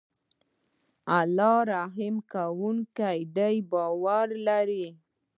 الله رحم کوونکی دی باور ولری